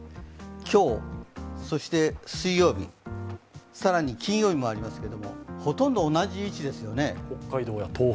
今日、水曜日、更に金曜日もありますけれども、ほとんど同じ位置ですよね。